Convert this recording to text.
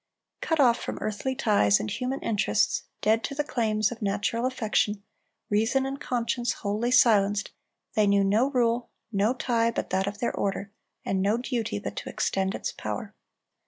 Cut off from earthly ties and human interests, dead to the claims of natural affection, reason and conscience wholly silenced, they knew no rule, no tie, but that of their order, and no duty but to extend its power.